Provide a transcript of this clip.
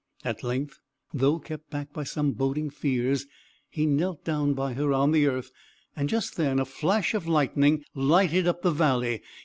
At length, though kept back by some boding fears, he knelt down by her on the earth, and just then a flash of lightning lighted up the valley.